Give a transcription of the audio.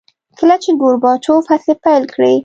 کله چې ګورباچوف هڅې پیل کړې.